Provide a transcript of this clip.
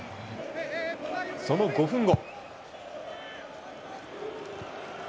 その５分後。